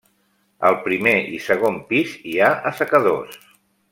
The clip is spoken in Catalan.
Al primer i segon pis hi ha assecadors.